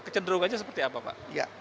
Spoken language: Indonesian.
kecenderung aja seperti apa pak